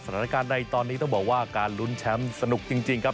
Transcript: สถานการณ์ในตอนนี้ต้องบอกว่าการลุ้นแชมป์สนุกจริงครับ